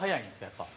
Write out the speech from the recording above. やっぱ。